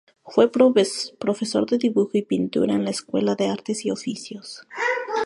Fue profesor de Dibujo y Pintura en la Escuela de Artes y Oficios.